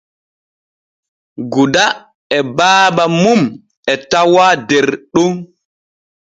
Guda e baaba mum e tawaa der ɗon.